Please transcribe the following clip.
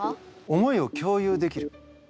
思いを共有できる。